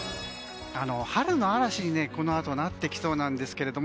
春の嵐にこのあとなってきそうなんです。